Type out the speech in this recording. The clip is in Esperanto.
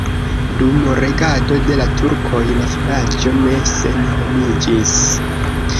Dum regado de la turkoj la vilaĝo ne senhomiĝis.